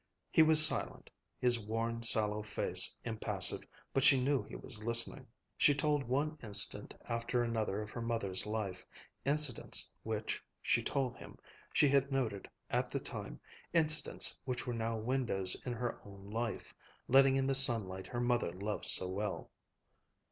He was silent, his worn, sallow face impassive, but she knew he was listening. She told one incident after another of her mother's life, incidents which, she told him, she had not noted at the time, incidents which were now windows in her own life, letting in the sunlight her mother loved so well.